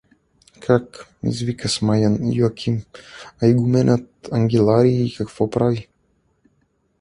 — Как? — извика смаян Иоаким. — А игуменът Ангеларий какво прави?